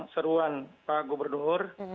seruan pak gubernur